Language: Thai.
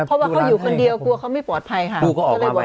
เพราะว่าเขาอยู่คนเดียวกลัวเขาไม่ปลอดภัยค่ะ